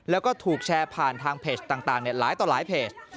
แล้วก็ถูกแชร์ผ่านทางเพจต่างหลายต่อหลายเพจ